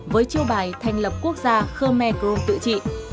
với chiêu bài thành lập quốc gia khơ me grome tự trị